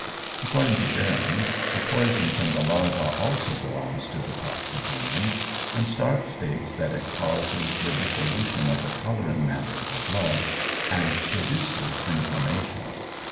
According to Boehm, the poison from the larva also belongs to the toxalbumins, and Starke states, that it causes the dissolution of the colouring matter of the blood and produces inflammation.